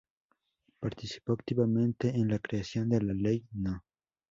Participó activamente en la creación de la Ley No.